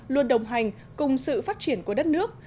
luôn đồng hành cùng sự phát triển của đất nước